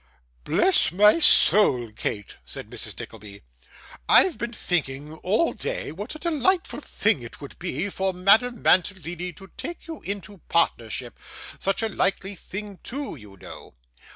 'Bless my soul, Kate,' said Mrs. Nickleby; 'I've been thinking all day what a delightful thing it would be for Madame Mantalini to take you into partnership such a likely thing too, you know!